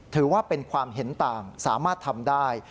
ถือว่าเป็นความเห็นต่างสามารถทำได้